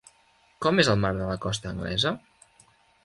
Com és el mar de la costa anglesa?